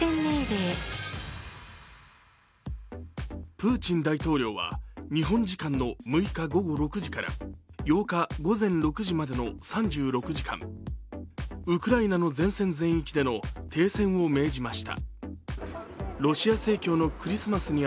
プーチン大統領は日本時間の６日午後６時から８日午前６時までの３６時間、ウクライナの前線全域での停戦を命じました。